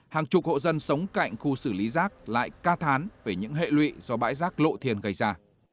hàng chục hộ dân sống cạnh khu xử lý rác lại ca thán về những hệ lụy do bãi rác lộ thiên gây ra